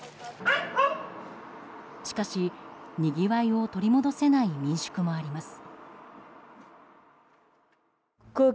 しかし、にぎわいを取り戻せない民宿もあります。